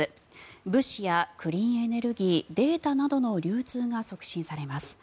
物資やクリーンエネルギーデータなどの流通が促進されます。